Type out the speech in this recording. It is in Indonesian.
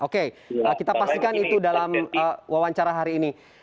oke kita pastikan itu dalam wawancara hari ini